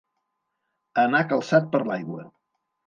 Anar calçat per l'aigua.